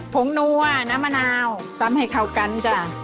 งนัวน้ำมะนาวตำให้เข้ากันจ้ะ